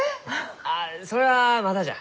あそれはまだじゃ。